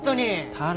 太郎。